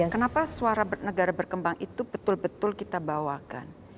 kenapa suara negara berkembang itu betul betul kita bawakan